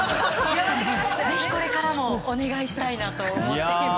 ぜひこれからもお願いしたいなと思っています。